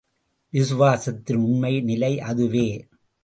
விசுவாசத்தின் உண்மை நிலை அதுவே.